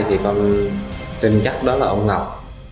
tùng tin chắc đó là ông ngọc